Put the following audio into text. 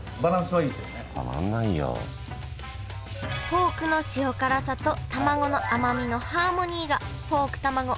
ポークの塩辛さとたまごの甘みのハーモニーがポークたまご